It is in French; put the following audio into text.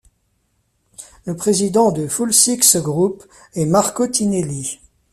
Le président de Fullsix Group est Marco Tinelli.